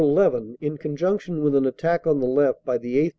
11, in conjunction with an attack on the left by the 8th.